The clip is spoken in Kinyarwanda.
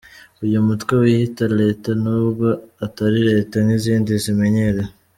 Uyu mutwe wiyita “Leta” nubwo atari Leta nk’izindi zimenyerewe.